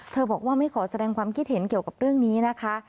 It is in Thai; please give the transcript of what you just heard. บอกว่าไม่ขอแสดงความคิดเห็นเกี่ยวกับเรื่องนี้นะคะ